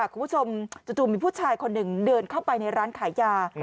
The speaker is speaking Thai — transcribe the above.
คุณผู้ชมจู่มีผู้ชายคนหนึ่งเดินเข้าไปในร้านขายยา